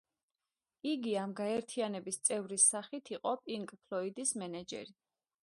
იგი ამ გაერთიანების წევრის სახით იყო პინკ ფლოიდის მენეჯერი.